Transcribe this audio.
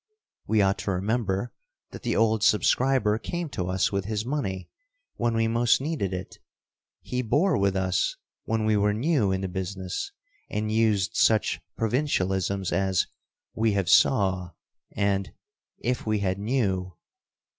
We ought to remember that the old subscriber came to us with his money when we most needed it. He bore with us when we were new in the business, and used such provincialisms as "We have saw" and "If we had knew."